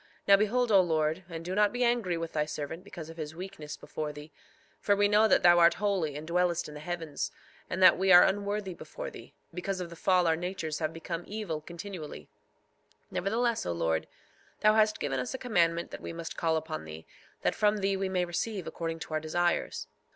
Now behold, O Lord, and do not be angry with thy servant because of his weakness before thee; for we know that thou art holy and dwellest in the heavens, and that we are unworthy before thee; because of the fall our natures have become evil continually; nevertheless, O Lord, thou hast given us a commandment that we must call upon thee, that from thee we may receive according to our desires.